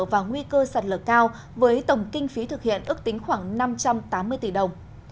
và nguy cơ sạt lở cao với tổng kinh phí thực hiện ước tính khoảng năm trăm tám mươi tỷ đồng